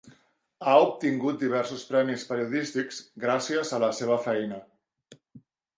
Ha obtingut diversos premis periodístics gràcies a la seva feina.